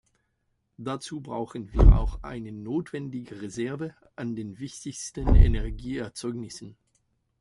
Dazu brauchen wir auch eine notwendige Reserve an den wichtigsten Energieerzeugnissen.